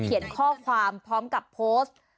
เขียนข้อความพร้อมกับโพสต์